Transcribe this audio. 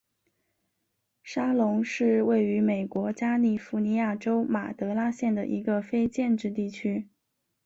沙龙是位于美国加利福尼亚州马德拉县的一个非建制地区。